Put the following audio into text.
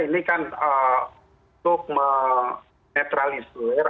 ini kan untuk menetralisir